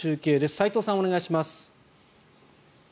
齋藤さん、お願いします。